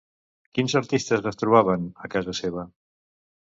Quins artistes es trobaven a casa seva?